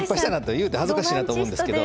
言うて恥ずかしいなと思いましたけど。